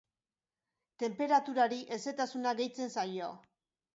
Tenperaturari hezetasuna gehitzen zaio.